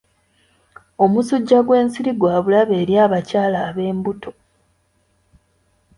Omusujja gw'ensiri gwa bulabe eri abakyala ab'embuto.